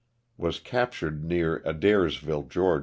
Was captured near Adairsville, Gra.